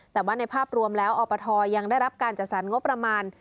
แต่ว่าในภาพรวมแล้วอปทยังได้รับการจัดสรรงบประมาณ